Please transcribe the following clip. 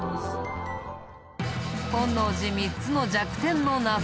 本能寺３つの弱点の謎。